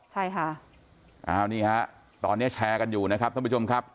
ใช่ค่ะอ้าวนี่ฮะตอนนี้แชร์กันอยู่นะครับท่านผู้ชมครับ